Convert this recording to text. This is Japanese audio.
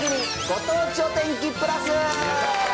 ご当地お天気プラス。